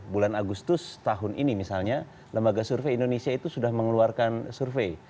bulan agustus tahun ini misalnya lembaga survei indonesia itu sudah mengeluarkan survei